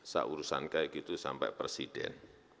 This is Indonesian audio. saya urusan kayak gitu sampai presiden